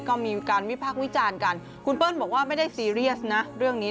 ก็มีการวิพากษ์วิจารณ์กันคุณเปิ้ลบอกว่าไม่ได้ซีเรียสนะเรื่องนี้